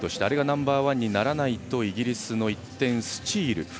あれがナンバーワンにならないとイギリスの１点スチール。